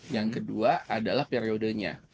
yang kedua adalah periodenya